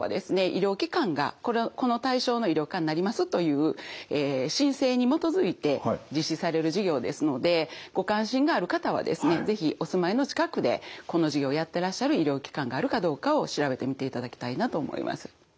医療機関がこの対象の医療機関になりますという申請に基づいて実施される事業ですのでご関心がある方はですね是非お住まいの近くでこの事業をやってらっしゃる医療機関があるかどうかを調べてみていただきたいなと思います。